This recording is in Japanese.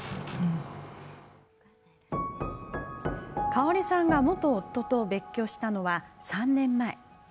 香さんが元夫と別居したのは３年前。